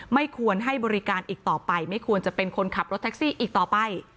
ไม่ควรให้บริการอีกต่อไปไม่ควรจะเป็นคนขับรถแท็กซี่อีกต่อไป